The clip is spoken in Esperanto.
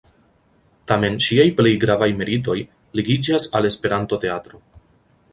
Tamen ŝiaj plej gravaj meritoj ligiĝas al Esperanto-teatro.